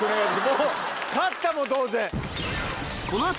もう勝ったも同然。